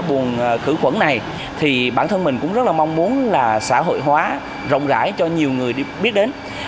buồn khử khuẩn này thì bản thân mình cũng rất là mong muốn là xã hội hóa rộng rãi cho nhiều người biết đến